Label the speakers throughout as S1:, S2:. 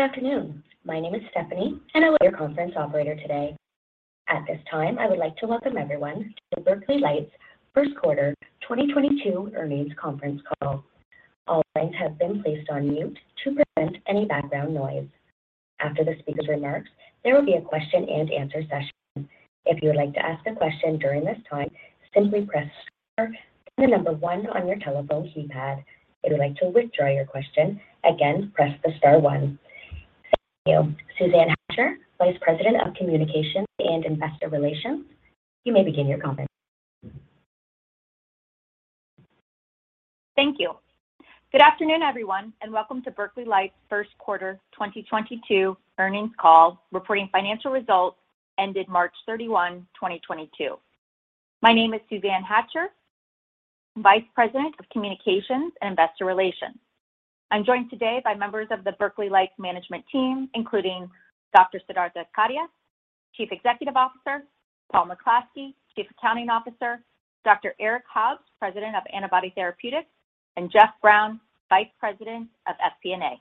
S1: Good afternoon. My name is Stephanie, and I will be your conference operator today. At this time, I would like to welcome everyone to the Berkeley Lights Q1 2022 Earnings Conference Call. All lines have been placed on mute to prevent any background noise. After the speaker's remarks, there will be a question-and-answer session. If you would like to ask a question during this time, simply press star then the number 1 on your telephone keypad. If you would like to withdraw your question, again, press the star 1. Thank you. Suzanne Hatcher, Vice President of Communications and Investor Relations, you may begin your conference.
S2: Thank you. Good afternoon, everyone, and welcome to Berkeley Lights' Q1 2022 Earnings Call, reporting financial results ended March 31st, 2022. My name is Suzanne Hatcher, Vice President of Communications and Investor Relations. I'm joined today by members of the Berkeley Lights management team, including Dr. Siddhartha Kadia, Chief Executive Officer, Paul McClaskey, Chief Accounting Officer, Dr. Eric Hobbs, President of Antibody Therapeutics, and Jeff Brown, Vice President of FP&A.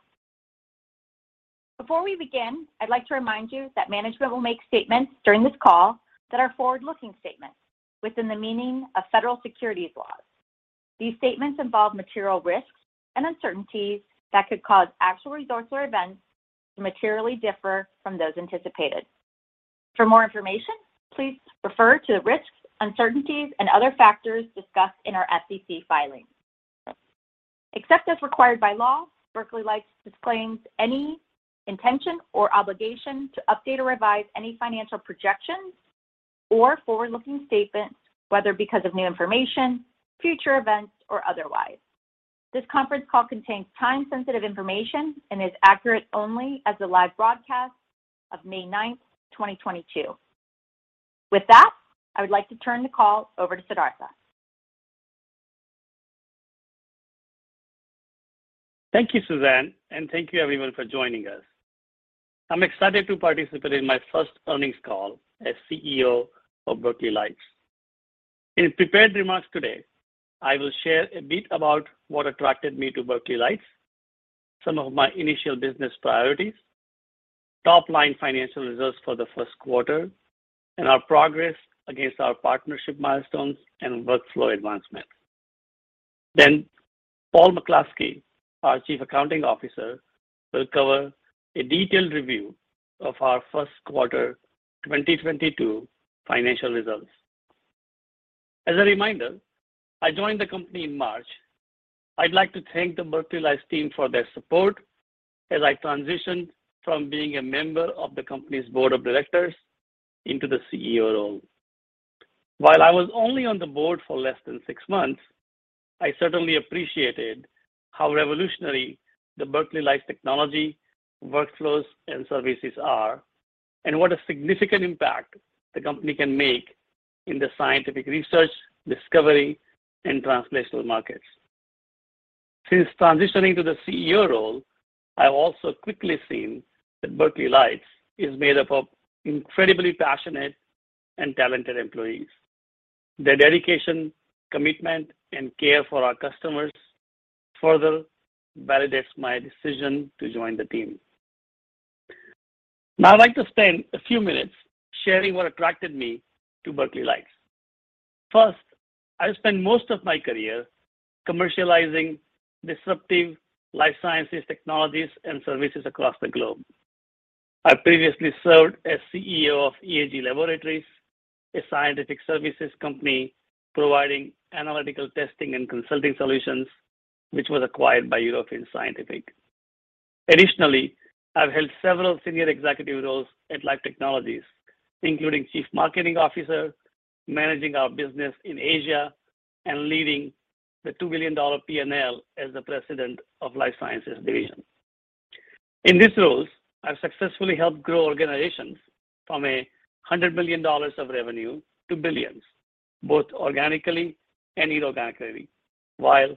S2: Before we begin, I'd like to remind you that management will make statements during this call that are forward-looking statements within the meaning of federal securities laws. These statements involve material risks and uncertainties that could cause actual results or events to materially differ from those anticipated. For more information, please refer to the risks, uncertainties, and other factors discussed in our SEC filings. Except as required by law, Berkeley Lights disclaims any intention or obligation to update or revise any financial projections or forward-looking statements, whether because of new information, future events, or otherwise. This conference call contains time-sensitive information and is accurate only as of the live broadcast of May ninth, 2022. With that, I would like to turn the call over to Siddhartha.
S3: Thank you, Suzanne, and thank you everyone for joining us. I'm excited to participate in my first earnings call as CEO of Berkeley Lights. In prepared remarks today, I will share a bit about what attracted me to Berkeley Lights, some of my initial business priorities, top-line financial results for the Q1, and our progress against our partnership milestones and workflow advancement. Paul McClaskey, our Chief Accounting Officer, will cover a detailed review of our Q1 2022 financial results. As a reminder, I joined the company in March. I'd like to thank the Berkeley Lights team for their support as I transition from being a member of the company's board of directors into the CEO role. While I was only on the board for less than 6 months, I certainly appreciated how revolutionary the Berkeley Lights technology, workflows, and services are and what a significant impact the company can make in the scientific research, discovery, and translational markets. Since transitioning to the CEO role, I've also quickly seen that Berkeley Lights is made up of incredibly passionate and talented employees. Their dedication, commitment, and care for our customers further validates my decision to join the team. Now I'd like to spend a few minutes sharing what attracted me to Berkeley Lights. First, I've spent most of my career commercializing disruptive life sciences technologies and services across the globe. I previously served as CEO of EAG Laboratories, a scientific services company providing analytical testing and consulting solutions, which was acquired by Eurofins Scientific. Additionally, I've held several senior executive roles at Life Technologies, including Chief Marketing Officer, managing our business in Asia, and leading the $2 billion P&L as the President of Life Sciences Division. In these roles, I've successfully helped grow organizations from $100 million of revenue to billions, both organically and inorganically, while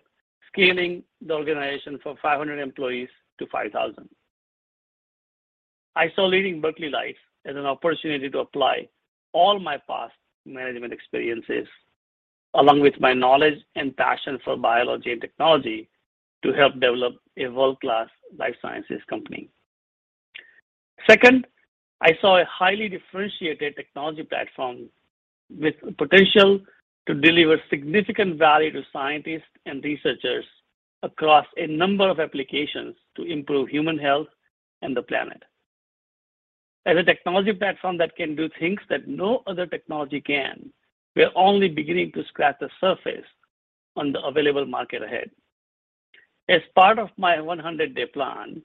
S3: scaling the organization from 500-5,000 employees. I saw leading Berkeley Lights as an opportunity to apply all my past management experiences, along with my knowledge and passion for biology and technology, to help develop a world-class life sciences company. Second, I saw a highly differentiated technology platform with potential to deliver significant value to scientists and researchers across a number of applications to improve human health and the planet. As a technology platform that can do things that no other technology can, we're only beginning to scratch the surface on the available market ahead. As part of my 100-day plan,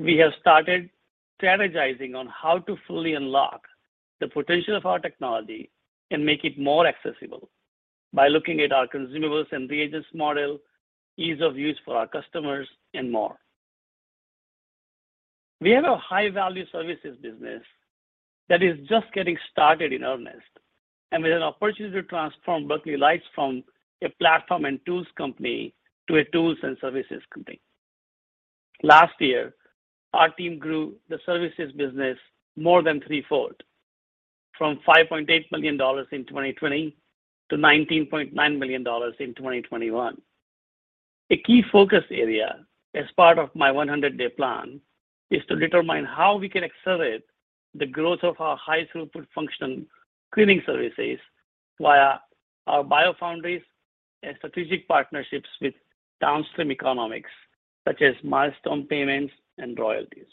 S3: we have started strategizing on how to fully unlock the potential of our technology and make it more accessible by looking at our consumables and reagents model, ease of use for our customers, and more. We have a high-value services business that is just getting started in earnest, and with an opportunity to transform Berkeley Lights from a platform and tools company to a tools and services company. Last year, our team grew the services business more than threefold from $5.8 million in 2020 to $19.9 million in 2021. A key focus area as part of my 100-day plan is to determine how we can accelerate the growth of our high-throughput functional screening services via our biofoundries and strategic partnerships with downstream economics, such as milestone payments and royalties.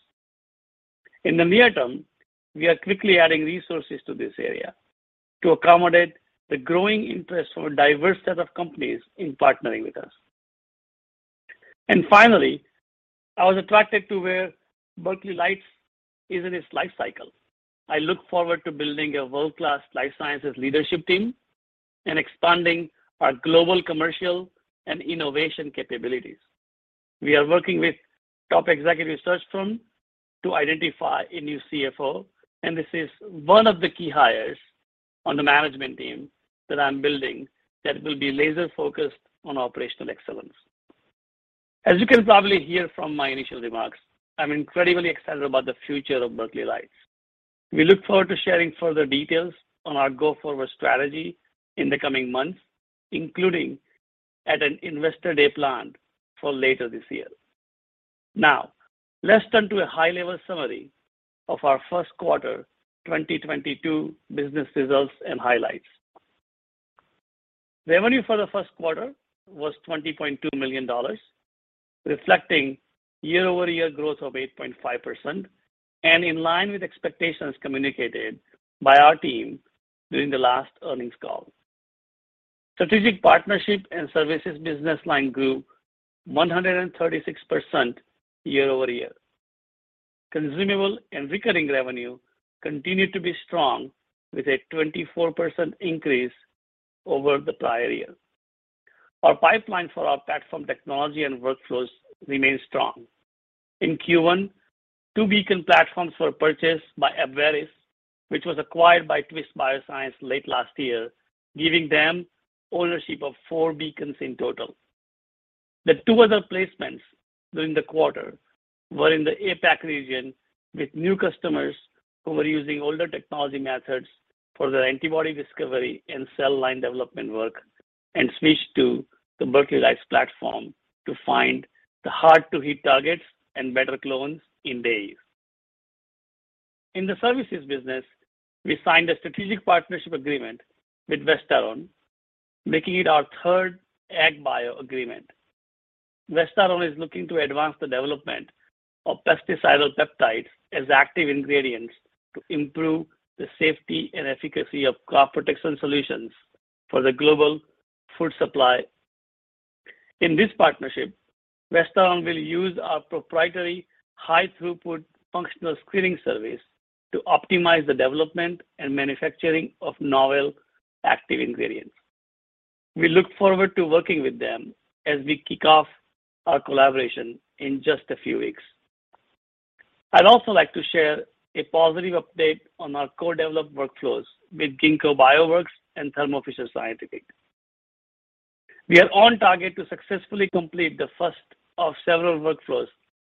S3: In the near term, we are quickly adding resources to this area to accommodate the growing interest from a diverse set of companies in partnering with us. Finally, I was attracted to where Berkeley Lights is in its life cycle. I look forward to building a world-class life sciences leadership team and expanding our global commercial and innovation capabilities. We are working with top executive search firms to identify a new CFO, and this is 1 of the key hires on the management team that I'm building that will be laser-focused on operational excellence. As you can probably hear from my initial remarks, I'm incredibly excited about the future of Berkeley Lights. We look forward to sharing further details on our go-forward strategy in the coming months, including at an Investor Day planned for later this year. Now, let's turn to a high-level summary of our Q1 2022 business results and highlights. Revenue for the Q1 was $20.2 million, reflecting year-over-year growth of 8.5% and in line with expectations communicated by our team during the last earnings call. Strategic partnership and services business line grew 136% year-over-year. Consumable and recurring revenue continued to be strong with a 24% increase over the prior year. Our pipeline for our platform technology and workflows remain strong. In Q1, 2 Beacon platforms were purchased by Abveris, which was acquired by Twist Bioscience late last year, giving them ownership of 4 Beacons in total. The 2 other placements during the quarter were in the APAC region with new customers who were using older technology methods for their antibody discovery and cell line development work and switched to the Berkeley Lights platform to find the hard-to-hit targets and better clones in days. In the services business, we signed a strategic partnership agreement with Vestaron, making it our third AgBio agreement. Vestaron is looking to advance the development of pesticidal peptides as active ingredients to improve the safety and efficacy of crop protection solutions for the global food supply. In this partnership, Vestaron will use our proprietary high-throughput functional screening service to optimize the development and manufacturing of novel active ingredients. We look forward to working with them as we kick off our collaboration in just a few weeks. I'd also like to share a positive update on our co-developed workflows with Ginkgo Bioworks and Thermo Fisher Scientific. We are on target to successfully complete the first of several workflows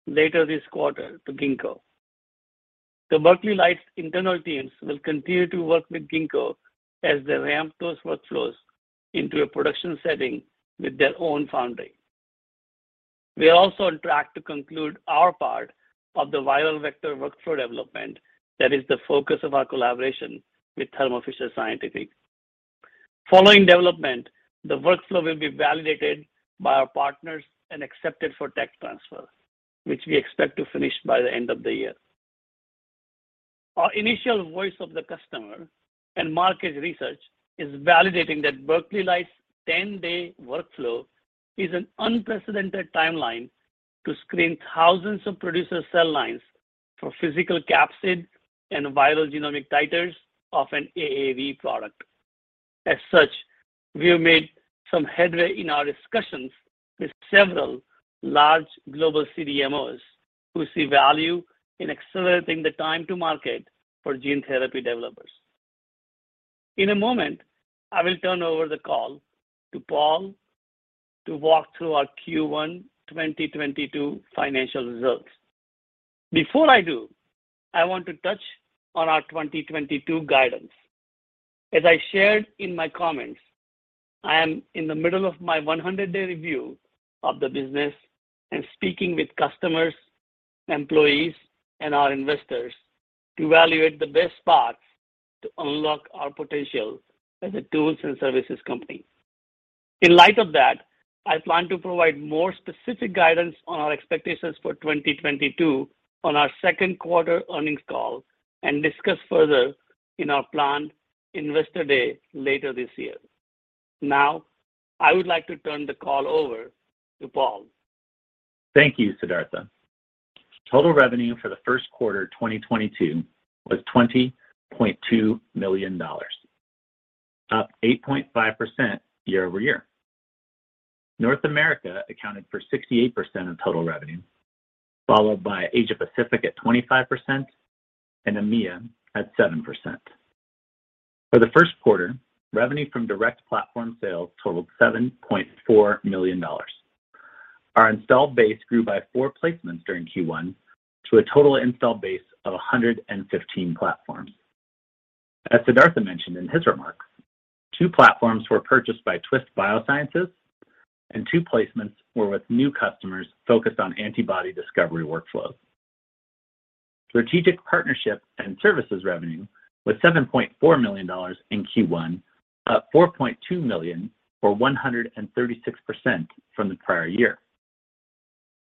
S3: later this quarter to Ginkgo. The Berkeley Lights internal teams will continue to work with Ginkgo as they ramp those workflows into a production setting with their own foundry. We are also on track to conclude our part of the viral vector workflow development that is the focus of our collaboration with Thermo Fisher Scientific. Following development, the workflow will be validated by our partners and accepted for tech transfer, which we expect to finish by the end of the year. Our initial voice of the customer and market research is validating that Berkeley Lights' 10-day workflow is an unprecedented timeline to screen thousands of producer cell lines for physical capsid and viral genomic titers of an AAV product. As such, we have made some headway in our discussions with several large global CDMOs who see value in accelerating the time to market for gene therapy developers. In a moment, I will turn over the call to Paul to walk through our Q1 2022 financial results. Before I do, I want to touch on our 2022 guidance. As I shared in my comments, I am in the middle of my 100-day review of the business and speaking with customers, employees, and our investors to evaluate the best path to unlock our potential as a tools and services company. In light of that, I plan to provide more specific guidance on our expectations for 2022 on our Q2 earnings call and discuss further in our planned Investor Day later this year. Now, I would like to turn the call over to Paul.
S4: Thank you, Siddhartha. Total revenue for the Q1 2022 was $20.2 million, up 8.5% year-over-year. North America accounted for 68% of total revenue, followed by Asia Pacific at 25% and EMEA at 7%. For the Q1, revenue from direct platform sales totaled $7.4 million. Our installed base grew by 4 placements during Q1 to a total installed base of 115 platforms. As Siddhartha mentioned in his remarks, 2 platforms were purchased by Twist Bioscience, and 2 placements were with new customers focused on antibody discovery workflows. Strategic partnership and services revenue was $7.4 million in Q1, up $4.2 million, or 136% from the prior year.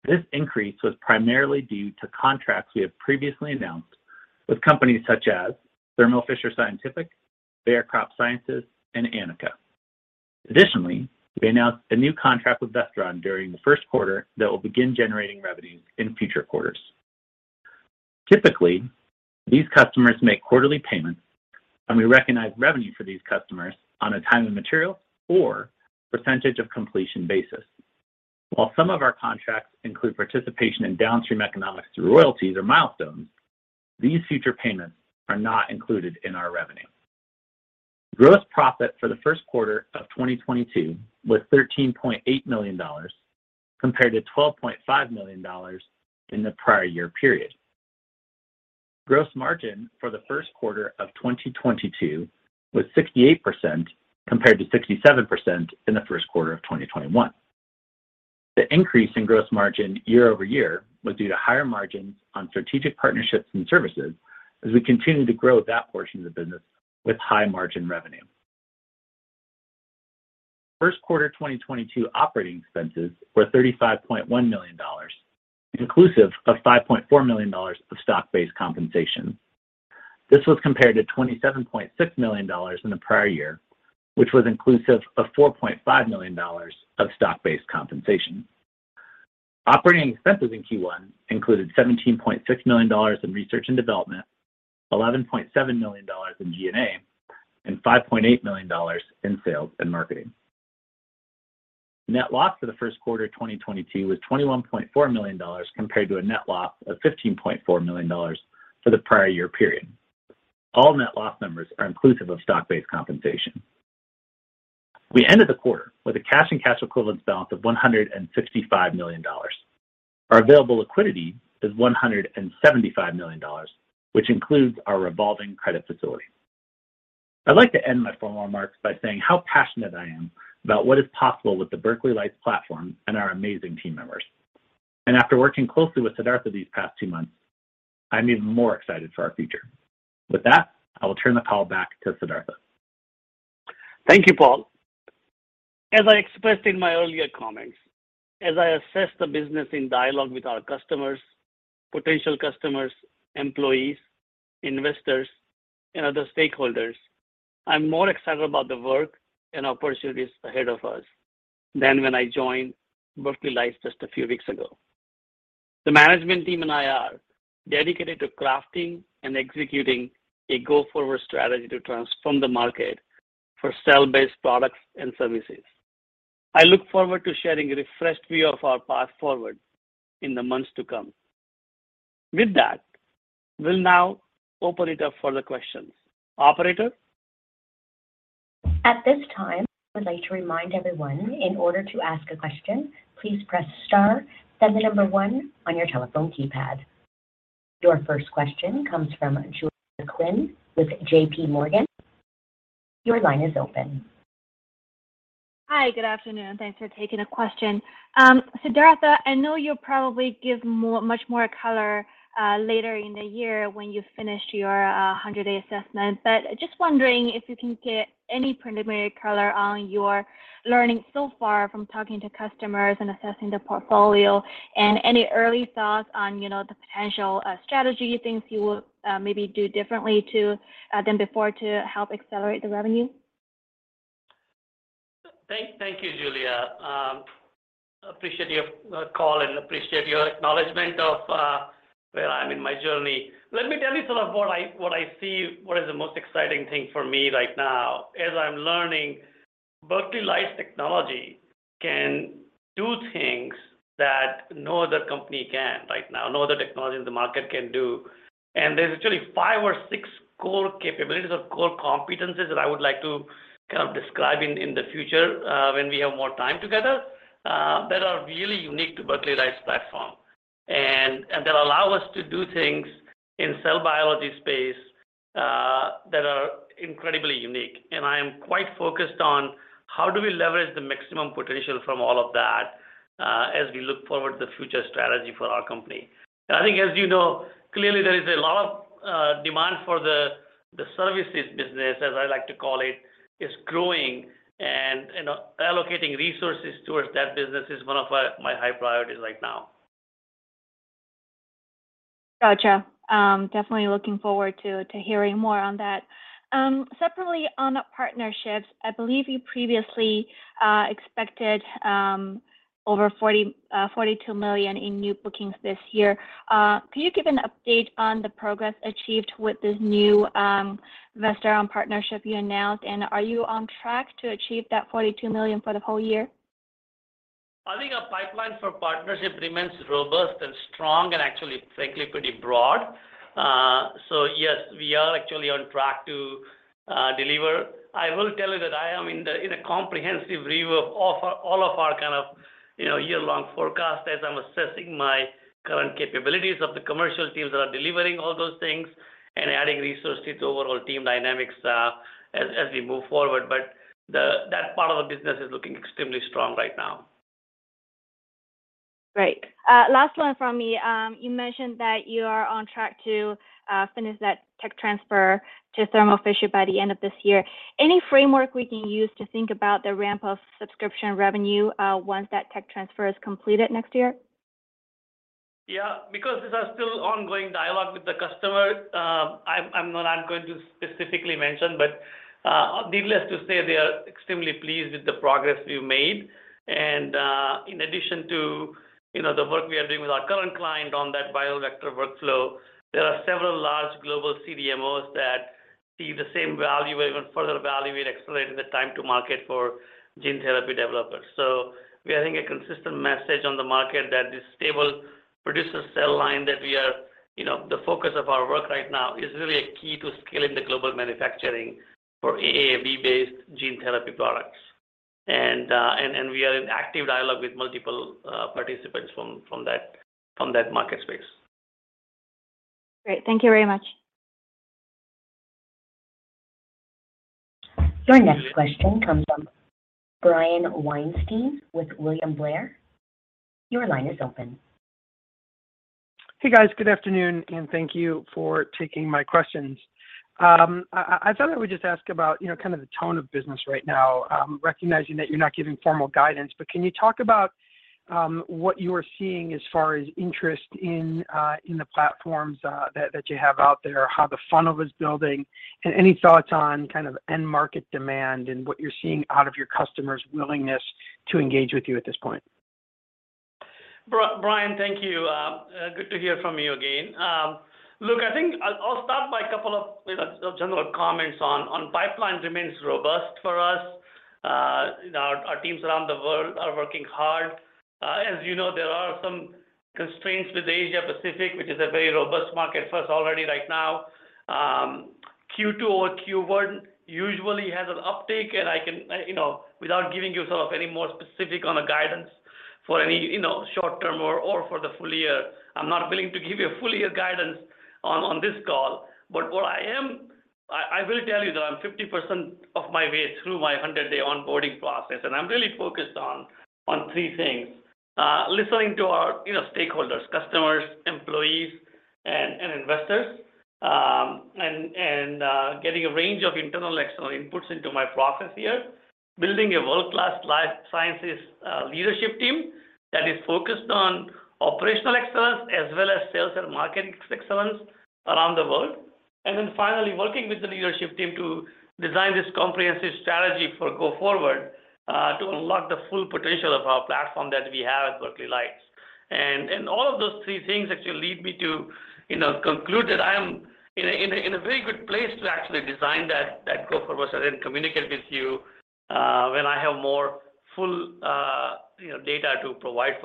S4: This increase was primarily due to contracts we have previously announced with companies such as Thermo Fisher Scientific, Bayer Crop Science, and Aanika. Additionally, we announced a new contract with Vestaron during the Q1 that will begin generating revenue in future quarters. Typically, these customers make quarterly payments, and we recognize revenue for these customers on a time and material or percentage of completion basis. While some of our contracts include participation in downstream economics through royalties or milestones, these future payments are not included in our revenue. Gross profit for the Q1 of 2022 was $13.8 million, compared to $12.5 million in the prior year period. Gross margin for the Q1 of 2022 was 68%, compared to 67% in the Q1 of 2021. The increase in gross margin year-over-year was due to higher margins on strategic partnerships and services as we continue to grow that portion of the business with high margin revenue. Q1 2022 operating expenses were $35.1 million, inclusive of $5.4 million of stock-based compensation. This was compared to $27.6 million in the prior year, which was inclusive of $4.5 million of stock-based compensation. Operating expenses in Q1 included $17.6 million in research and development, $11.7 million in G&A, and $5.8 million in sales and marketing. Net loss for the Q1 2022 was $21.4 million compared to a net loss of $15.4 million for the prior year period. All net loss numbers are inclusive of stock-based compensation. We ended the quarter with a cash and cash equivalents balance of $165 million. Our available liquidity is $175 million, which includes our revolving credit facility. I'd like to end my formal remarks by saying how passionate I am about what is possible with the Berkeley Lights platform and our amazing team members. After working closely with Siddhartha these past 2 months, I'm even more excited for our future. With that, I will turn the call back to Siddhartha.
S3: Thank you, Paul. As I expressed in my earlier comments, as I assess the business in dialogue with our customers, potential customers, employees, investors, and other stakeholders, I'm more excited about the work and opportunities ahead of us than when I joined Berkeley Lights just a few weeks ago. The management team and I are dedicated to crafting and executing a go-forward strategy to transform the market for cell-based products and services. I look forward to sharing a refreshed view of our path forward in the months to come. With that, we'll now open it up for the questions. Operator?
S1: At this time, I would like to remind everyone in order to ask a question, please press star, then the number 1 on your telephone keypad. Your first question comes from Julia Qin with JP Morgan. Your line is open.
S5: Hi. Good afternoon. Thanks for taking the question. Siddhartha, I know you'll probably give much more color later in the year when you've finished your hundred-day assessment, but just wondering if you can give any preliminary color on your learning so far from talking to customers and assessing the portfolio and any early thoughts on, you know, the potential strategy things you will maybe do differently than before to help accelerate the revenue.
S3: Thank you, Julia. Appreciate your call and appreciate your acknowledgement of where I'm in my journey. Let me tell you some of what I see what is the most exciting thing for me right now. As I'm learning, Berkeley Lights technology can do things that no other company can right now, no other technology in the market can do. There's actually 5 or 6 core capabilities or core competencies that I would like to kind of describe in the future when we have more time together that are really unique to Berkeley Lights platform and that allow us to do things in cell biology space that are incredibly unique. I am quite focused on how do we leverage the maximum potential from all of that as we look forward to the future strategy for our company. I think as you know, clearly there is a lot of demand for the services business, as I like to call it, is growing and, you know, allocating resources towards that business is 1 of my high priorities right now.
S5: Gotcha. Definitely looking forward to hearing more on that. Separately on partnerships, I believe you previously expected over $42 million in new bookings this year. Could you give an update on the progress achieved with this new Vestaron partnership you announced, and are you on track to achieve that $42 million for the whole year?
S3: I think our pipeline for partnership remains robust and strong and actually frankly pretty broad. We are actually on track to deliver. I will tell you that I am in a comprehensive review of all of our kind of, you know, year-long forecast as I'm assessing my current capabilities of the commercial teams that are delivering all those things and adding resources to overall team dynamics, as we move forward. That part of the business is looking extremely strong right now.
S5: Great. Last 1 from me. You mentioned that you are on track to finish that tech transfer to Thermo Fisher by the end of this year. Any framework we can use to think about the ramp of subscription revenue, once that tech transfer is completed next year?
S3: Yeah. Because these are still ongoing dialogue with the customer, I'm not going to specifically mention, but needless to say, they are extremely pleased with the progress we've made. In addition to, you know, the work we are doing with our current client on that viral vector workflow, there are several large global CDMOs that see the same value or even further value in accelerating the time to market for gene therapy developers. We are getting a consistent message on the market that this stable producer cell line that we are, you know, the focus of our work right now is really a key to scaling the global manufacturing for AAV-based gene therapy products. We are in active dialogue with multiple participants from that market space.
S5: Great. Thank you very much.
S1: Your next question comes from Brian Weinstein with William Blair. Your line is open.
S6: Hey, guys. Good afternoon, and thank you for taking my questions. I thought I would just ask about, you know, kind of the tone of business right now, recognizing that you're not giving formal guidance. Can you talk about what you are seeing as far as interest in the platforms that you have out there, how the funnel is building, and any thoughts on kind of end market demand and what you're seeing out of your customers' willingness to engage with you at this point?
S3: Brian, thank you. Good to hear from you again. Look, I think I'll start by a couple of general comments on. Our pipeline remains robust for us. Our teams around the world are working hard. As you know, there are some constraints with Asia Pacific, which is a very robust market for us already right now. Q2 or Q1 usually has an uptick, and you know, without giving you sort of any more specifics on guidance for any short term or for the full year, I'm not willing to give you a full year guidance on this call. What I am. I will tell you that I'm 50% of my way through my 100-day onboarding process, and I'm really focused on 3 things: listening to our, you know, stakeholders, customers, employees and getting a range of internal, external inputs into my process here. Building a world-class life sciences leadership team that is focused on operational excellence as well as sales and marketing excellence around the world. Finally, working with the leadership team to design this comprehensive strategy for go forward to unlock the full potential of our platform that we have at Berkeley Lights. All of those 3 things actually lead me to, you know, conclude that I am in a very good place to actually design that go forward and then communicate with you, when I have more full, you know, data to provide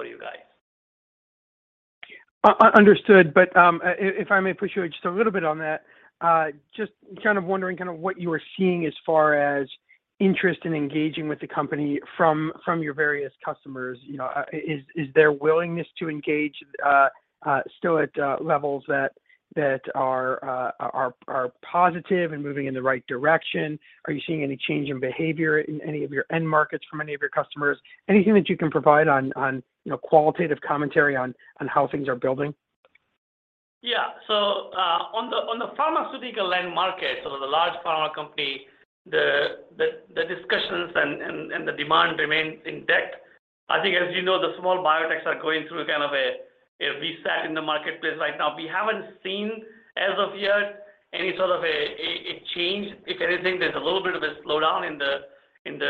S3: for you guys.
S6: Understood. If I may push you just a little bit on that, just kind of wondering what you are seeing as far as interest in engaging with the company from your various customers. You know, is their willingness to engage still at levels that are positive and moving in the right direction? Are you seeing any change in behavior in any of your end markets from any of your customers? Anything that you can provide on, you know, qualitative commentary on how things are building?
S3: Yeah. On the pharmaceutical end market, the large pharma company, the discussions and the demand remains intact. I think, as you know, the small biotechs are going through kind of a reset in the marketplace right now. We haven't seen, as of yet, any sort of a change. If anything, there's a little bit of a slowdown in the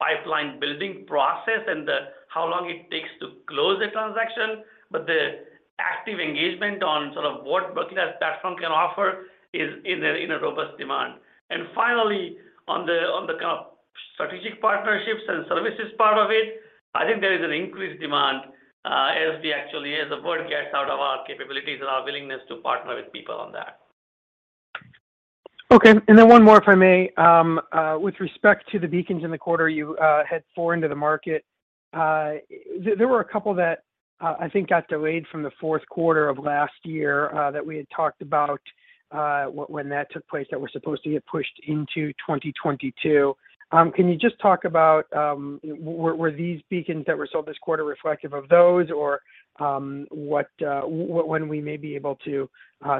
S3: pipeline building process and how long it takes to close the transaction. The active engagement on sort of what Berkeley Lights platform can offer is in robust demand. Finally, on the kind of strategic partnerships and services part of it, I think there is an increased demand, as the word gets out of our capabilities and our willingness to partner with people on that.
S6: Okay. 1 more, if I may. With respect to the Beacons in the quarter, you had 4 into the market. There were a couple that I think got delayed from the Q4 of last year that we had talked about when that took place, that were supposed to get pushed into 2022. Can you just talk about were these Beacons that were sold this quarter reflective of those? Or what when we may be able to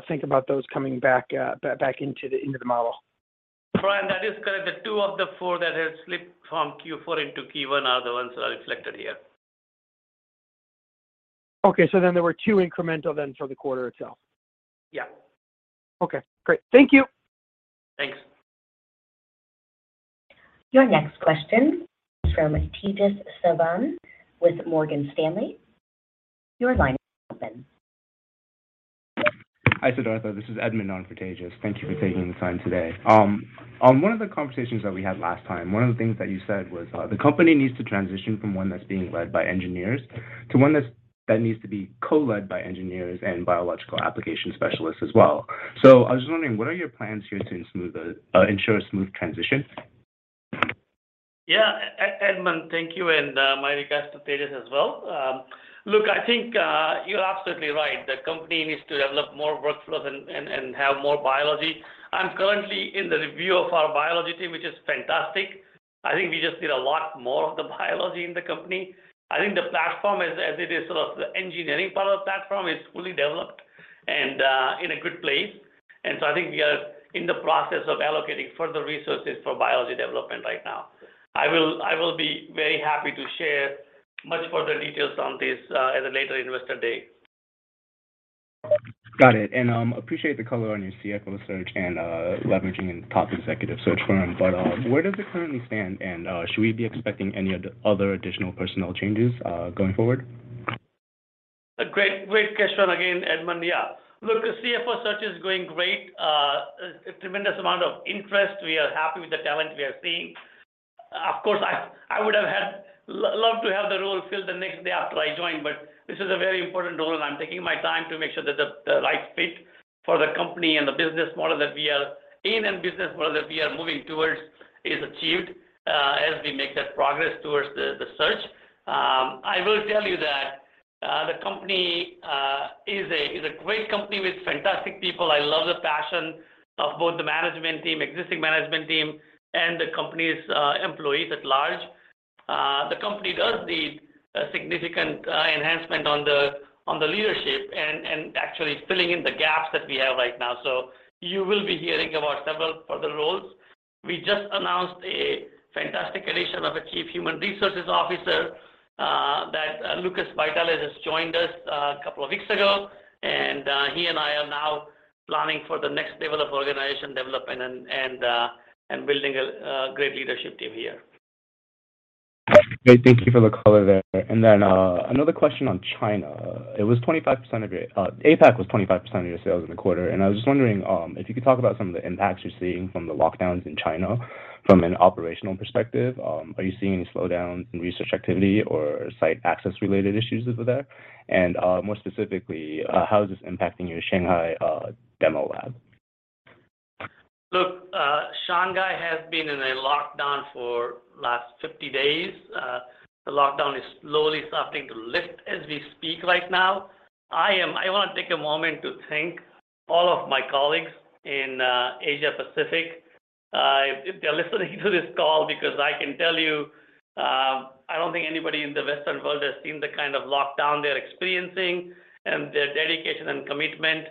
S6: think about those coming back into the model?
S3: Brian, that is correct. The 2 of the 4 that have slipped from Q4 into Q1 are the ones that are reflected here.
S6: There were 2 incremental then for the quarter itself.
S3: Yeah.
S6: Okay, great. Thank you.
S3: Thanks.
S1: Your next question is from Tejas Savant with Morgan Stanley. Your line is open.
S7: Hi, Siddhartha. This is Edmond, not Tejas. Thank you for taking the time today. On 1 of the conversations that we had last time, 1 of the things that you said was, the company needs to transition from 1 that's being led by engineers to 1 that needs to be co-led by engineers and biological application specialists as well. I was just wondering, what are your plans here to ensure a smooth transition?
S3: Yeah. Edmond, thank you, and my regards to Tejas as well. Look, I think you're absolutely right. The company needs to develop more workflows and have more biology. I'm currently in the review of our biology team, which is fantastic. I think we just need a lot more of the biology in the company. I think the platform as it is, sort of the engineering part of the platform is fully developed and in a good place. I think we are in the process of allocating further resources for biology development right now. I will be very happy to share much further details on this at a later investor day.
S7: Got it. Appreciate the color on your CFO search and leveraging top executive search firms. Where does it currently stand? Should we be expecting any other additional personnel changes going forward?
S3: A great question again, Edmund. Yeah. Look, the CFO search is going great. A tremendous amount of interest. We are happy with the talent we are seeing. Of course, I would have loved to have the role filled the next day after I joined, but this is a very important role, and I'm taking my time to make sure that the right fit for the company and the business model that we are in and business model that we are moving towards is achieved, as we make that progress towards the search. I will tell you that the company is a great company with fantastic people. I love the passion of both the management team, existing management team, and the company's employees at large. The company does need a significant enhancement on the leadership and actually filling in the gaps that we have right now. You will be hearing about several further roles. We just announced a fantastic addition of a Chief Human Resources Officer that Lucas Vitale has joined us a couple of weeks ago. He and I are now planning for the next level of organization development and building a great leadership team here.
S7: Great. Thank you for the color there. Another question on China. APAC was 25% of your sales in the quarter, and I was just wondering if you could talk about some of the impacts you're seeing from the lockdowns in China from an operational perspective. Are you seeing any slowdowns in research activity or site access related issues over there? More specifically, how is this impacting your Shanghai demo lab?
S3: Look, Shanghai has been in a lockdown for last 50 days. The lockdown is slowly starting to lift as we speak right now. I wanna take a moment to thank all of my colleagues in Asia Pacific, if they're listening to this call, because I can tell you, I don't think anybody in the Western world has seen the kind of lockdown they're experiencing, and their dedication and commitment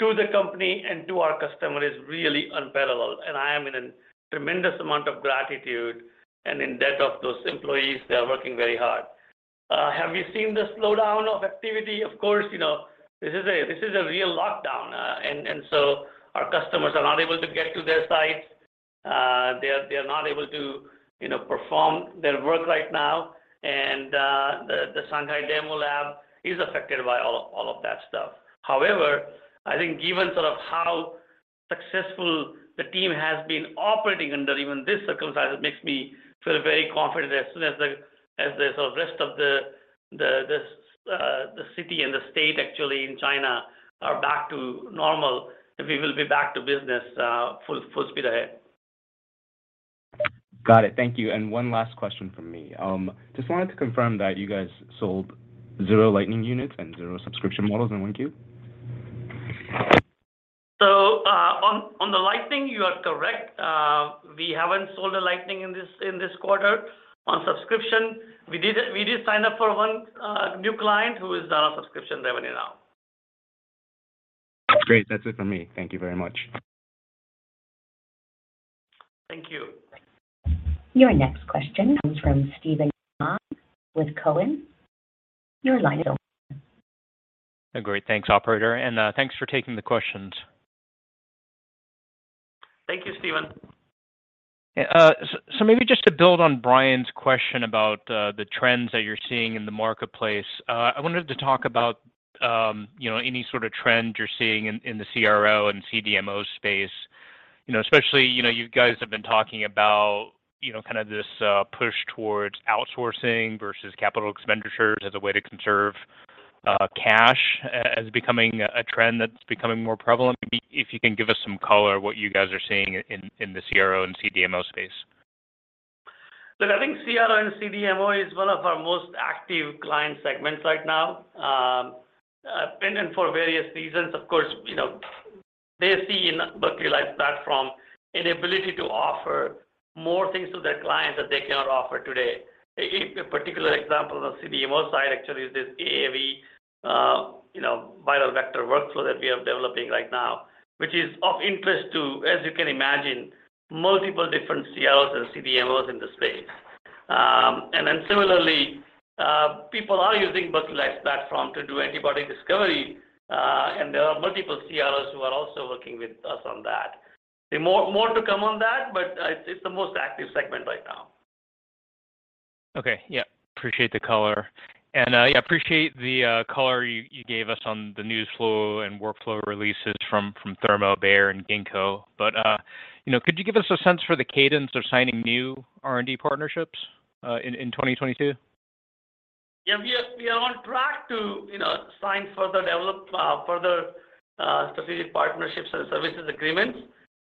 S3: to the company and to our customer is really unparalleled. I am in a tremendous amount of gratitude and in debt of those employees. They are working very hard. Have we seen the slowdown of activity? Of course, you know, this is a real lockdown. Our customers are not able to get to their sites. They're not able to, you know, perform their work right now. The Shanghai demo lab is affected by all of that stuff. However, I think given sort of how successful the team has been operating under even this circumstance, it makes me feel very confident as soon as the sort of rest of the city and the state actually in China are back to normal, we will be back to business, full speed ahead.
S7: Got it. Thank you. 1 last question from me. Just wanted to confirm that you guys sold zero Lightning units and zero subscription models in Q1?
S3: On the Lightning, you are correct. We haven't sold a Lightning in this quarter. On subscription, we did sign up for 1 new client who is on our subscription revenue now.
S7: Great. That's it for me. Thank you very much.
S3: Thank you.
S1: Your next question comes from Steven Mah with Cowen. Your line is open.
S8: Great. Thanks, operator. Thanks for taking the questions.
S3: Thank you, Steven.
S8: Maybe just to build on Brian's question about the trends that you're seeing in the marketplace. I wanted to talk about, you know, any sort of trend you're seeing in the CRO and CDMO space. You know, especially, you know, you guys have been talking about, you know, kind of this push towards outsourcing versus capital expenditures as a way to conserve cash as becoming a trend that's becoming more prevalent. Maybe if you can give us some color what you guys are seeing in the CRO and CDMO space.
S3: Look, I think CRO and CDMO is 1 of our most active client segments right now, and then for various reasons, of course, you know, they see in Berkeley Lights platform an ability to offer more things to their clients that they cannot offer today. A particular example on the CDMO side actually is this AAV, you know, viral vector workflow that we are developing right now, which is of interest to, as you can imagine, multiple different CROs and CDMOs in the space. Similarly, people are using Berkeley Lights platform to do antibody discovery, and there are multiple CROs who are also working with us on that. More to come on that, but it's the most active segment right now.
S8: Okay. Yeah, appreciate the color. Yeah, appreciate the color you gave us on the news flow and workflow releases from Thermo, Bayer, and Ginkgo. You know, could you give us a sense for the cadence of signing new R&D partnerships in 2022?
S3: Yeah, we are on track to, you know, sign further strategic partnerships and services agreements.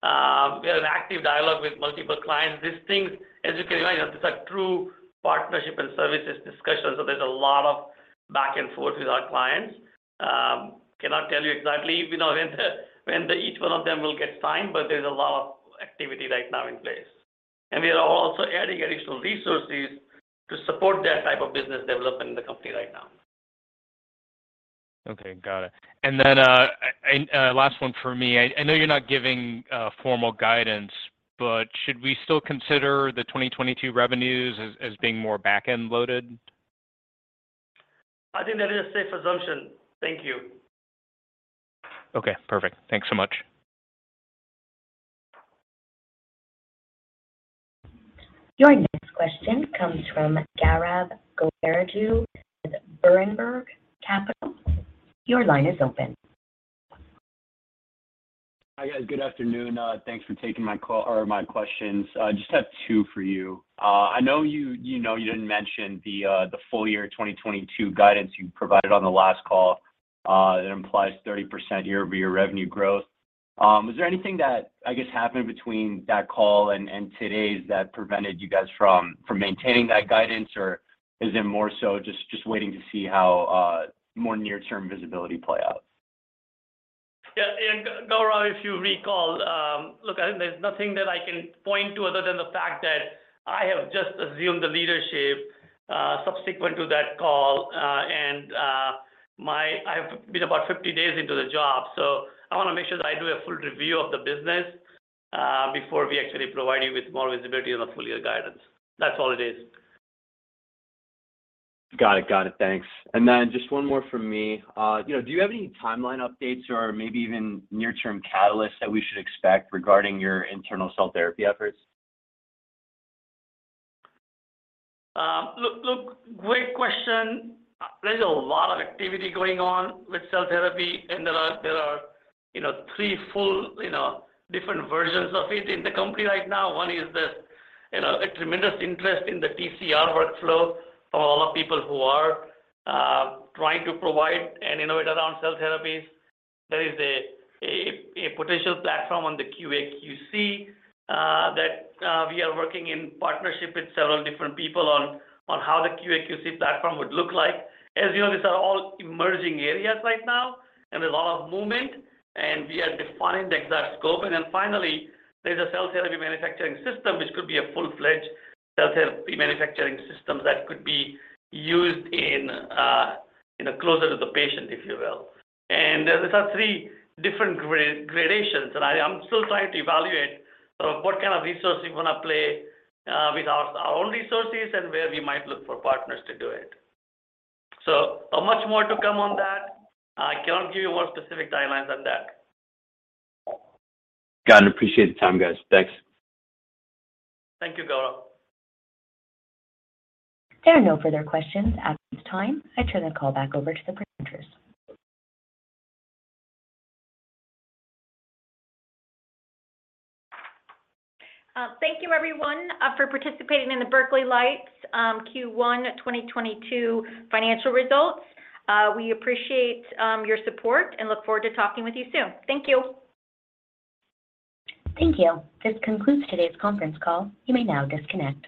S3: We are in active dialogue with multiple clients. These things, as you can imagine, these are true partnership and services discussions, so there's a lot of back and forth with our clients. Cannot tell you exactly, you know, when each 1 of them will get signed, but there's a lot of activity right now in place. We are also adding additional resources to support that type of business development in the company right now.
S8: Okay. Got it. Last 1 for me. I know you're not giving formal guidance, but should we still consider the 2022 revenues as being more back-end loaded?
S3: I think that is a safe assumption. Thank you.
S8: Okay. Perfect. Thanks so much.
S1: Your next question comes from Gaurav Goparaju with Berenberg Capital Markets. Your line is open.
S9: Hi, guys. Good afternoon. Thanks for taking my call or my questions. I just have 2 for you. I know you know, didn't mention the full year 2022 guidance you provided on the last call, that implies 30% year-over-year revenue growth. Was there anything that I guess happened between that call and today's that prevented you guys from maintaining that guidance? Or is it more so just waiting to see how more near-term visibility play out?
S3: Yeah. Gaurav, if you recall, there's nothing that I can point to other than the fact that I have just assumed the leadership subsequent to that call. I have been about 50 days into the job, so I wanna make sure that I do a full review of the business before we actually provide you with more visibility on the full year guidance. That's all it is.
S9: Got it. Thanks. Just 1 more from me. You know, do you have any timeline updates or maybe even near-term catalysts that we should expect regarding your internal cell therapy efforts?
S3: Look, great question. There's a lot of activity going on with cell therapy, and there are, you know, 3 full, you know, different versions of it in the company right now. 1 is, you know, a tremendous interest in the TCR workflow for a lot of people who are trying to provide and innovate around cell therapies. There is a potential platform on the QA/QC that we are working in partnership with several different people on how the QA/QC platform would look like. As you know, these are all emerging areas right now and a lot of movement, and we are defining the exact scope. Then finally, there's a cell therapy manufacturing system, which could be a full-fledged cell therapy manufacturing system that could be used in, you know, closer to the patient, if you will. These are 3 different gradations, and I am still trying to evaluate what kind of resource we wanna play with our own resources and where we might look for partners to do it. Much more to come on that. I cannot give you more specific timelines on that.
S9: Got it. Appreciate the time, guys. Thanks.
S3: Thank you, Gaurav.
S1: There are no further questions at this time. I turn the call back over to the presenters.
S3: Thank you everyone for participating in the Berkeley Lights Q1 2022 financial results. We appreciate your support and look forward to talking with you soon. Thank you.
S1: Thank you. This concludes today's conference call. You may now disconnect.